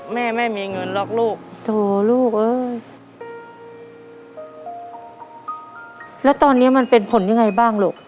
แม่ไม่มีเงินหรอกลูกโถลูกเอ้ยแล้วตอนนี้มันเป็นผลยังไงบ้างลูก